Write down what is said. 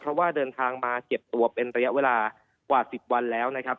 เพราะว่าเดินทางมาเก็บตัวเป็นระยะเวลากว่า๑๐วันแล้วนะครับ